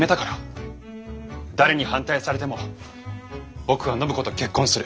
誰に反対されても僕は暢子と結婚する。